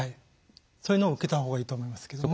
そういうのを受けた方がいいと思いますけども。